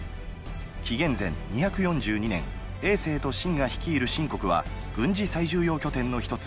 紀元前２４２年政と信が率いる秦国は軍事最重要拠点の一つ魏